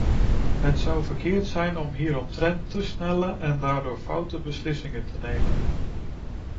Het zou verkeerd zijn om hieromtrent te snelle en daardoor foute beslissingen te nemen.